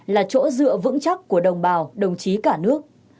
là chỗ dựa vững chắc của đồng bào đồng chí cả nước